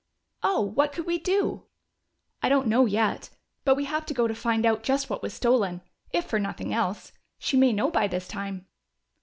"Oh, what could we do?" "I don't know yet. But we have to go to find out just what was stolen, if for nothing else. She may know by this time."